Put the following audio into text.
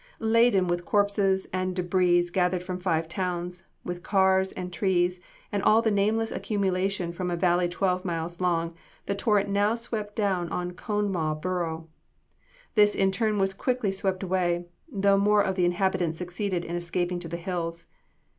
Laden with corpses and debris gathered from five towns; with cars and trees and all the nameless accumulation from a valley twelve miles long, the torrent now swept down on Conemaugh Borough. This in turn was quickly swept away, though more of the inhabitants succeeded in escaping to the hills.